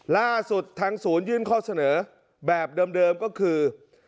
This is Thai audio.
ล่าสุดทางศูนย์ยื่นข้อเสนอแบบเดิมก็คือ